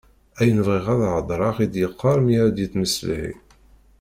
Ayen bɣiɣ ad hedreɣ i d-yeqqar mi ara d-yettmeslay.